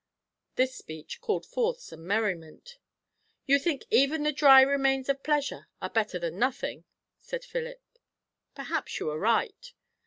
This speech called forth some merriment. "You think even the dry remains of pleasure are better than nothing!" said Philip. "Perhaps you are right."